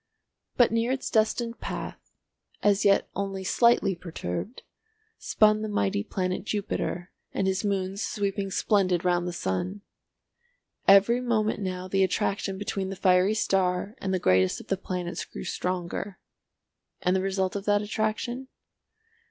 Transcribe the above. But near its destined path, as yet only slightly perturbed, spun the mighty planet Jupiter and his moons sweeping splendid round the sun. Every moment now the attraction between the fiery star and the greatest of the planets grew stronger. And the result of that attraction?